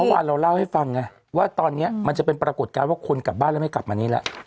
เมื่อวานเราเล่าให้ฟังไงว่าตอนนี้มันจะเป็นปรากฏการณ์ว่าคนกลับบ้านแล้วไม่กลับมานี้แล้ว